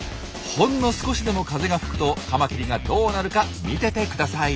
ほんの少しでも風が吹くとカマキリがどうなるか見ててください。